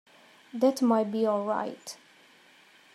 That might be all right.